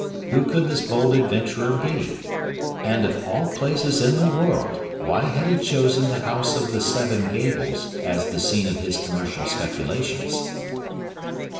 Who could this bold adventurer be? And, of all places in the world, why had he chosen the House of the Seven Gables as the scene of his commercial speculations?